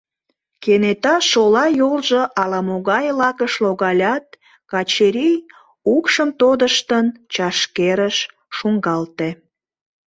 Кенета шола йолжо ала-могай лакыш логалят, Качырий, укшым тодыштын, чашкерыш шуҥгалте.